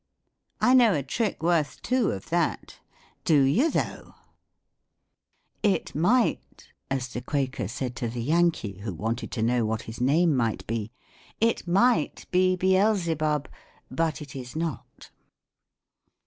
"I know a trick worth two of that." " Do you, though ?"" It might," as the Quaker said to the Yankee, who wanted to know what his name might be ; "it mighthe Beelzebub, but it is not."